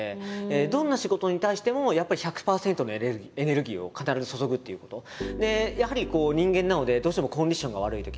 どんな仕事に対してもやっぱり１００％のエネルギーを必ず注ぐっていうことでやはり人間なのでどうしてもコンディションが悪いとき